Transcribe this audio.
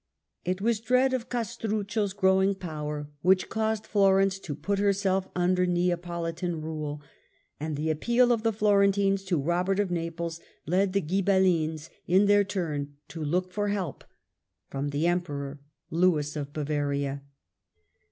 It was dread of Castruccio's growing power which caused Florence to put herself under Neapolitan rule ; and the appeal of the Florentines to Kobert of Naples led the Ghibellines in their turn to look for help from the Emperor, Lewis of Bavaria.